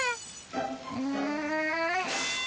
うん。